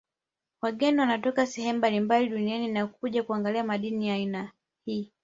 Wageni wanatoka sehemu mablimbali duniani na kuja kuangalia madini ya aina hii